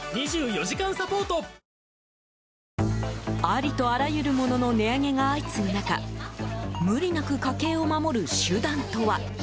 ありとあらゆるものの値上げが相次ぐ中無理なく家計を守る手段とは？